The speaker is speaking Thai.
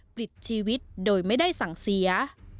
ปลิดชีวิตโดยไม่ได้สั่งเสีย